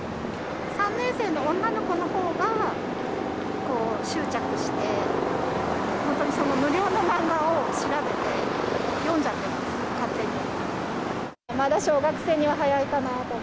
３年生の女の子のほうが、執着して、本当にその無料の漫画を調べて、読んじゃってます、勝手に。